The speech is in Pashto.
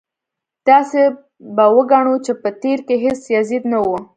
داسې به وګڼو چې په تېر کې هېڅ یزید نه و.